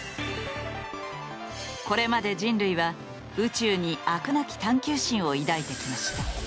これまで人類は宇宙に飽くなき探求心を抱いてきました。